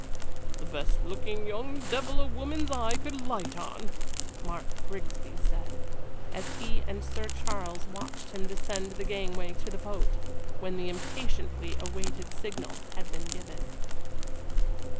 "The best looking young devil a woman's eye could light on!" Mark Grigsby said, as he and Sir Charles watched him descend the gangway to the boat, when the impatiently awaited signal had been given.